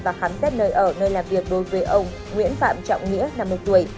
và khám xét nơi ở nơi làm việc đối với ông nguyễn phạm trọng nghĩa năm mươi tuổi